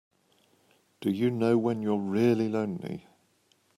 Do you know when you're really lonely?